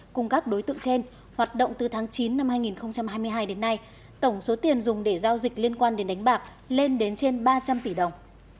cùng các đối tượng trên hoạt động từ tháng chín năm hai nghìn hai mươi hai đến nay tổng số tiền dùng để giao dịch liên quan đến đánh bạc lên đến trên ba trăm linh tỷ đồng